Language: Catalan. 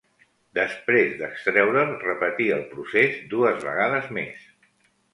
Després d’extreure’l, repetí el procés dues vegades més.